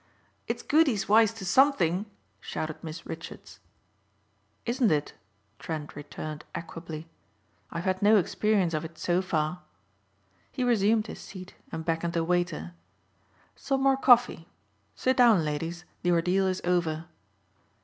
"It's good he's wise to something," shouted Miss Richards. "Isn't it?" Trent returned equably. "I've had no experience of it so far." He resumed his seat and beckoned a waiter, "Some more coffee. Sit down, ladies, the ordeal is over."